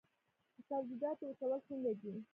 د سبزیجاتو وچول څنګه دي؟